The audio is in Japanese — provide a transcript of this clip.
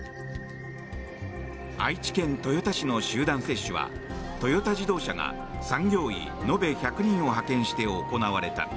愛知県豊田市の集団接種はトヨタ自動車が産業医延べ１００人を派遣して行われた。